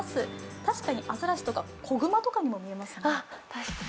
確かにアザラシとか子熊とかにも見えますね。